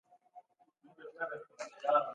په دې برخه کې جان ګيټس منځګړيتوب وکړ.